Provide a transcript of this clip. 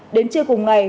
đến trưa cùng ngày